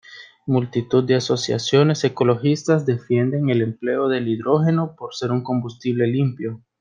Multitud de asociaciones ecologistas defienden el empleo del hidrógeno por ser un combustible limpio.